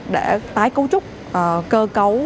để tái cấu trúc cơ cấu